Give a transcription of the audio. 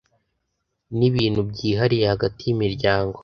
nibintu byihariye hagati y’imiryango,